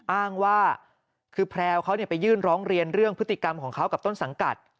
อ้างว่าคือแพรวเขาไปยื่นร้องเรียนเรื่องพฤติกรรมของเขากับต้นสังกัด